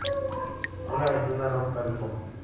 Una ventana rompe el fondo.